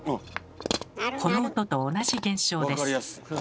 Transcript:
この音と同じ現象です。